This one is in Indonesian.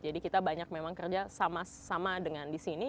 jadi kita banyak memang kerja sama sama dengan di sini